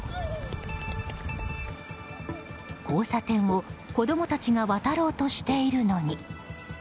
交差点を子供たちが渡ろうとしているのに。